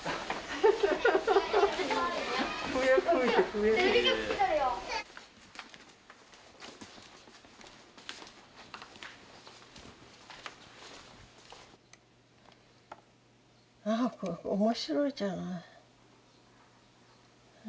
あこれ面白いじゃない。